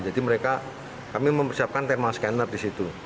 jadi kami mempersiapkan thermal scanner di situ